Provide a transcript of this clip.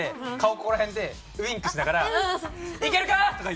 ここら辺でウインクしながら「いけるか？」とか言ってる。